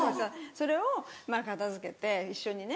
それを片付けて一緒にね